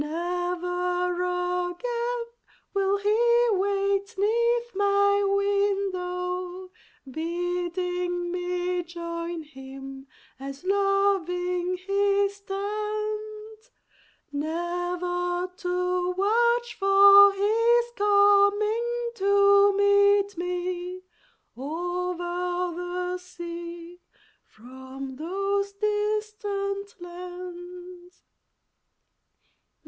Never again will he wait 'neath my window, Bidding me join him, as loving he stands; Never to watch for his coming to meet me Over the sea from those distant lands!